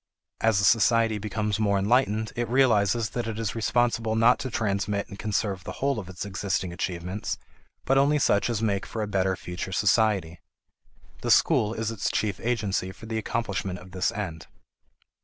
As a society becomes more enlightened, it realizes that it is responsible not to transmit and conserve the whole of its existing achievements, but only such as make for a better future society. The school is its chief agency for the accomplishment of this end.